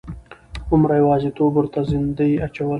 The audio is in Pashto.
هومره یوازیتوب ورته زندۍ اچوله.